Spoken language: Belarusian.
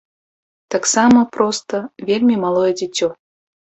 Таксама, проста, вельмі малое дзіцё.